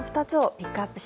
ピックアップ